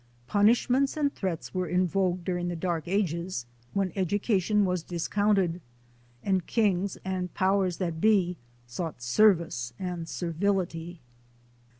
Punishments and threats were in vogue during the Dark Ages, when education was dis counted and kings and powers that be sought ser vice and servility.